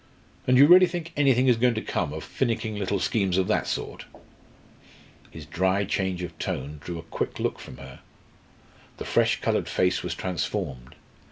And you really think anything is going to come out of finicking little schemes of that sort?" His dry change of tone drew a quick look from her. The fresh coloured face was transformed.